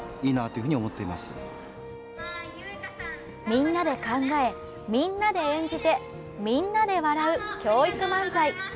みんなで考えみんなで演じて、みんなで笑う教育漫才。